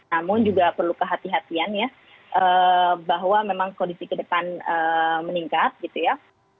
namun juga perlu kehatian ya bahwa memang kondisi ke depan meningkat gitu ya